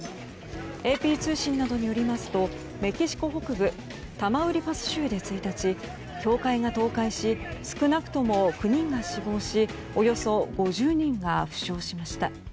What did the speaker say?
ＡＰ通信などによりますとメキシコ北部タマウリパス州で１日教会が倒壊し少なくとも９人が死亡しおよそ５０人が負傷しました。